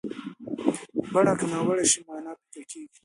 بڼه که ناوړه شي، معنا پیکه کېږي.